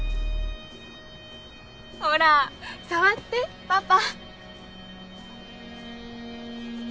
ほら触ってパパ！